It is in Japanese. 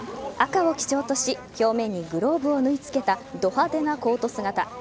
赤を基調とし表面にグローブを縫い付けたド派手なコート姿。